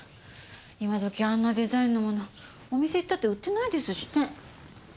今時あんなデザインのものお店行ったって売ってないですしね。